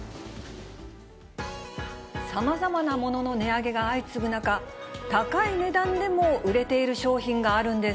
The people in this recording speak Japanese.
さまざまなものの値上げが相次ぐ中、高い値段でも売れている商品があるんです。